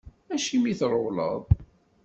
Acimi i trewleḍ?